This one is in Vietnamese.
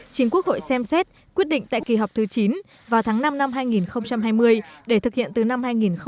chính quốc hội xem xét quyết định tại kỳ họp thứ chín vào tháng năm năm hai nghìn hai mươi để thực hiện từ năm hai nghìn hai mươi một